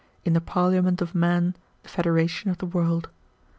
In the Parliament of man, the federation of the world.